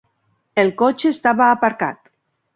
El cotxe estava aparcat.